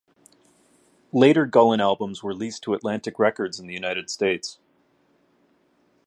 Later Gullin albums were leased to Atlantic Records in the United States.